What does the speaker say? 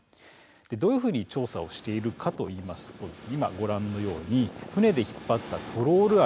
どういうふうに調査をしているかといいますと今ご覧のように船で引っ張ったトロール網